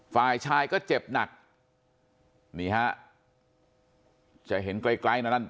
ฝ่ายชายก็เจ็บหนักนี่ฮะจะเห็นไกลไกลนะนั่น